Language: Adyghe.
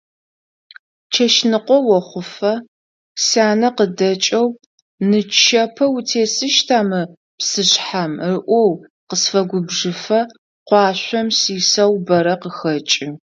Чэщныкъо охъуфэ, сянэ къыдэкӀэу «нычэпэ утесыщта мы псышъхьэм» ыӀоу, къысфэгубжыфэ къуашъом сисэу бэрэ къыхэкӀы.